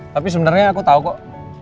tapi sebenarnya aku tahu kok